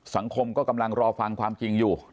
สังคมก็กำลังรอฟังความจริงอยู่